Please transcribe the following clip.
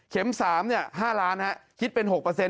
เข็มสามเนี่ยห้าล้านฮะคิดเป็นหกเปอร์เซ็นต์